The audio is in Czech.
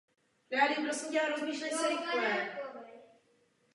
Vedení se nedokázalo dohodnout na ceně a dalších věcech mezi sebou.